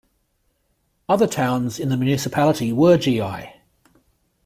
Other towns in the municipality were Gl.